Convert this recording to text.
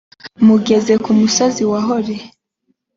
mugeze ku musozi wa hori.